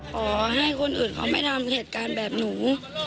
ขอให้คนอื่นเขาไม่ทำเหตุการณ์แบบหนู